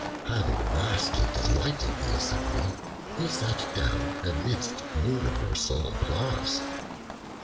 Having vastly delighted the assembly, he sat down amidst universal applause.